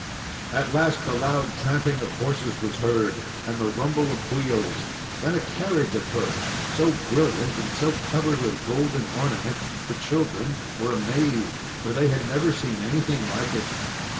At last the loud tramping of horses was heard, and the rumble of wheels, then a carriage approached, so brilliant and so covered with golden ornaments that the children were amazed, for they had never seen anything like it.